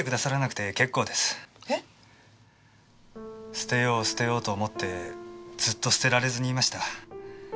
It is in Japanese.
捨てよう捨てようと思ってずっと捨てられずにいました。